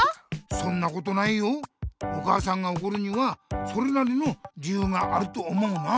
そんなことないよお母さんがおこるにはそれなりの理ゆうがあると思うな。